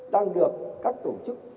tăng được các tổ chức